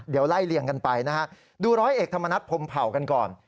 เดี๋ยวไล่เลี่ยงกันไปนะฮะดูร้อยเอกธรรมนัฐพรมเผ่ากันก่อน